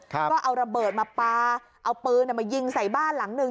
ก็เอาระเบิดมาปลาเอาปืนมายิงใส่บ้านหลังหนึ่ง